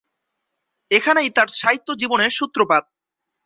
এখানেই তাঁর সাহিত্য জীবনের সূত্রপাত।